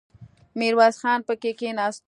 ميرويس خان پکې کېناست.